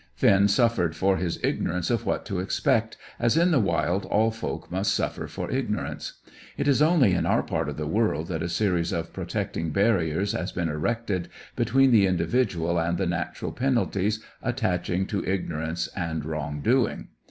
Finn suffered for his ignorance of what to expect, as in the wild all folk must suffer for ignorance. It is only in our part of the world that a series of protecting barriers has been erected between the individual and the natural penalties attaching to ignorance and wrong doing.